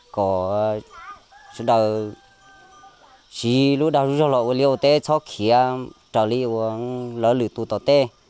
của chúng ta chỉ lúc đã trở lại với liệu tế sau khi trả lý lợi lực tụ tạo tế